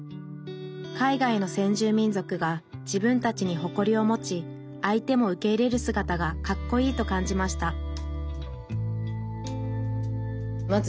海外の先住民族が自分たちに誇りを持ち相手も受け入れるすがたがかっこいいと感じました